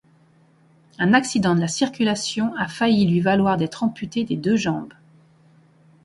Un accident de la circulation a failli lui valoir d'être amputée des deux jambes.